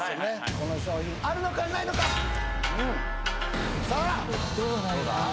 この商品あるのかないのかさあ・どうなんや？